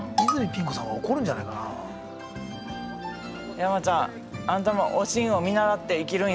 山ちゃんあんたもおしんを見習って生きるんやで。